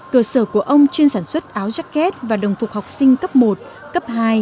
cơ sở của ông chuyên sản xuất áo jacket và đồng phục học sinh cấp một cấp hai